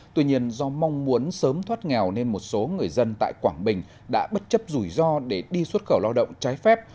tuy nhiên do mong muốn sớm thoát nghèo nên một số người dân tại quảng bình đã bất chấp rủi ro để đi xuất khẩu lao động trái phép